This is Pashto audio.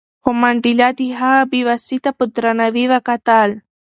خو منډېلا د هغه بې وسۍ ته په درناوي وکتل.